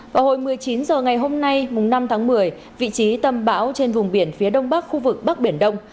vào hồi một mươi chín h ngày hôm nay năm tháng một mươi vị trí tâm bão trên vùng biển phía đông bắc khu vực bắc biển đông